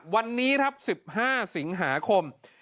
วันนี้ครับ๑๕สิงหาคม